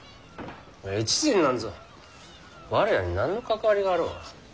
越前なんぞ我らに何の関わりがあろう。